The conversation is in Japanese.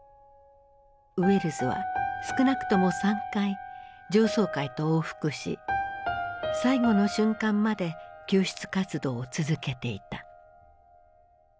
ウェルズは少なくとも３回上層階と往復し最後の瞬間まで救出活動を続けていた。